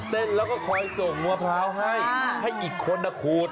เล่นแล้วก็คอยส่งมะพร้าวให้ให้อีกคนนะขูด